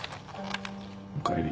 おかえり。